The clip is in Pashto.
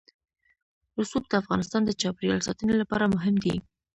رسوب د افغانستان د چاپیریال ساتنې لپاره مهم دي.